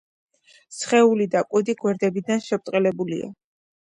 სხეული და კუდი გვერდებიდან შებრტყელებულია.